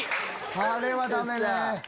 あれはダメだ。